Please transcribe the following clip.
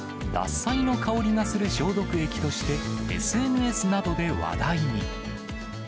獺祭の香りがする消毒液として、ＳＮＳなどで話題に。